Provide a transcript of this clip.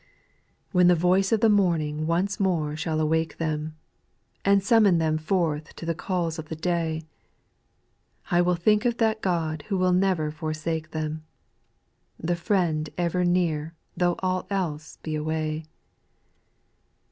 3. When the voice of the morning once more shall awake them, And summon them forth to the calls of the day, I will think of that God who will never for sake them, The Friend ever near though all else be away.